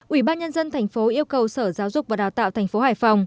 ủy ban nhân dân thành phố yêu cầu sở giáo dục và đào tạo thành phố hải phòng